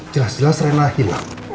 jelas jelas ren lahil